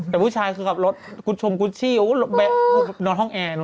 แต่ผู้ชายคือกลับรถกุชชมกุชชี่โอ้โหแบ๊ะนอนห้องแอร์